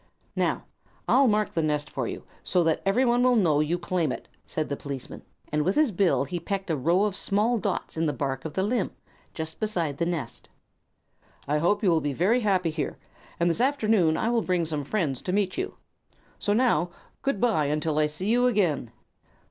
"Now, I'll mark the nest for you, so that everyone will know you claim it," said the policeman; and with his bill he pecked a row of small dots in the bark of the limb, just beside the nest. "I hope you will be very happy here, and this afternoon I will bring some friends to meet you. So now good bye until I see you again."